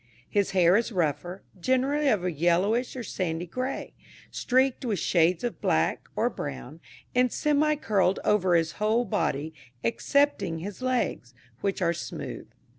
His hair is rougher, generally of a yellowish or sandy grey, streaked with shades of black, or brown, and semi curled over his whole body, excepting his legs, which are smooth.